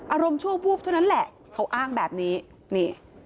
อารมณ์ชั่ววูบเท่านั้นแหละเขาอ้างแบบนี้นี่